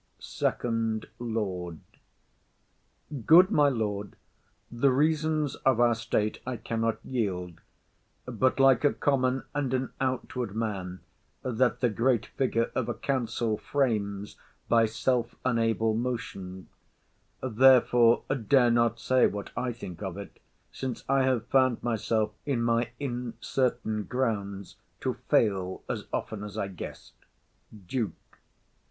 SECOND LORD. Good my lord, The reasons of our state I cannot yield, But like a common and an outward man That the great figure of a council frames By self unable motion; therefore dare not Say what I think of it, since I have found Myself in my incertain grounds to fail As often as I guess'd. DUKE.